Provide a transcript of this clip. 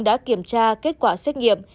đã kiểm tra kết quả xét nghiệm